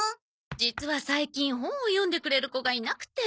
実は最近本を読んでくれる子がいなくて。